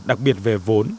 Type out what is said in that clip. đặc biệt về vốn